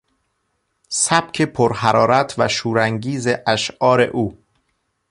سبک پرحرارت و شورانگیز اشعار او